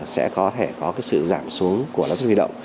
sẽ có thể có cái sự giảm xuống của lãi suất huy động